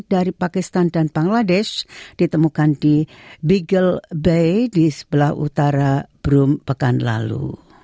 dari pakistan dan bangladesh ditemukan di biggel bay di sebelah utara brum pekan lalu